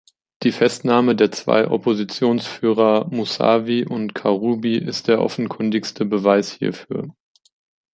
Die Festnahme der zwei Oppositionsführer Mousavi und Karoubi ist der offenkundigste Beweis hierfür.